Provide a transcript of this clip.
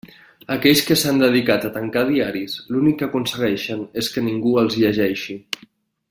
Aquells que s'han dedicat a tancar diaris l'únic que aconsegueixen és que ningú els llegeixi.